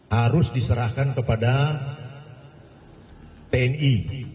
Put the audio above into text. harus diserahkan kepada tni